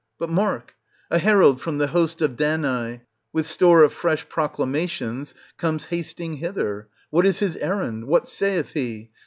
But mark ! a herald from the host of Danai, with store of fresh proclamations, comes hasting hither. What is his errand? what saith he?